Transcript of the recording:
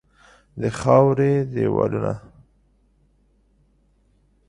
د خاوري دیوالونه